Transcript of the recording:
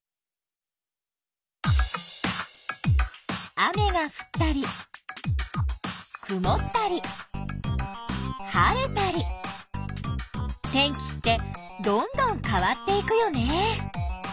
雨がふったりくもったり晴れたり天気ってどんどん変わっていくよね。